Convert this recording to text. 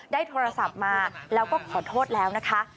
ได้โทรศัพท์มาแล้วก็ขอโทษแล้วนะคะ